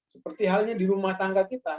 seperti halnya di rumah tangga kita